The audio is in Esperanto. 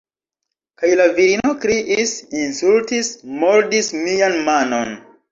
Kaj la virino kriis, insultis, mordis mian manon.